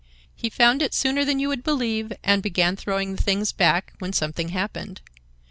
He found it sooner than you would believe, and began throwing the things back, when something happened.